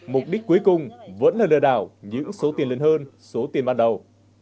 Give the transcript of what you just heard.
mục đích cuối cùng vẫn là đợi đảo những số tiền lên hơn số tiền ban đầu